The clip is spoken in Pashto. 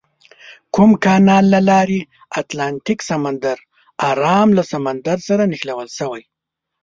د کوم کانال له لارې اتلانتیک سمندر ارام له سمندر سره نښلول شوي؟